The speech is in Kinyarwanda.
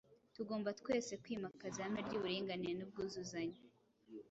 Tugomba twese kwimakaza ihame ry’uburinganire n’ubwuzuzanye.